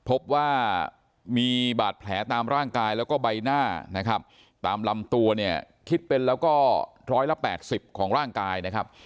พบว่ามีบาดแผลตามร่างกายแล้วก็ใบหน้าตามลำตัวคิดเป็นคร้อยละ๘๐คน